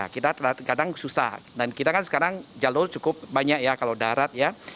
kita kadang susah dan kita kan sekarang jalur cukup banyak ya kalau darat ya